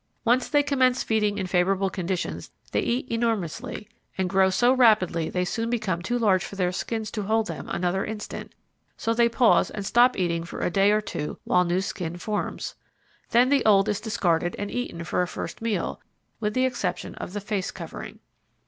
Once they commence feeding in favourable conditions they eat enormously and grow so rapidly they soon become too large for their skins to hold them another instant; so they pause and stop eating for a day or two while new skin forms. Then the old is discarded and eaten for a first meal, with the exception of the face covering.